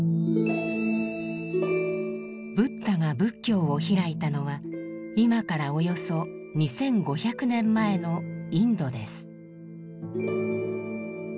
ブッダが仏教を開いたのは今からおよそ２，５００年前のインドです。